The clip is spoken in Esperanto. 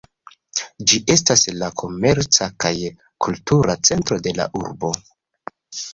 Ĝi estas la komerca kaj kultura centro de la urbo.